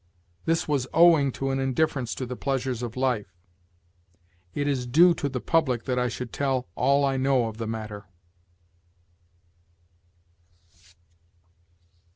"This was owing to an indifference to the pleasures of life." "It is due to the public that I should tell all I know of the matter."